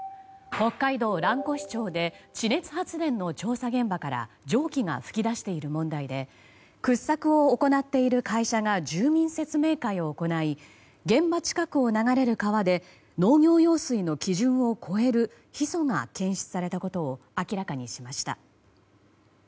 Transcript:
北海道蘭越町で地熱発電の調査現場から蒸気が噴き出している問題で掘削を行っている会社が住民説明会を行い現場近くを流れる川で農業用水の基準を超えるヒ素が検出されたことを明らかにしました。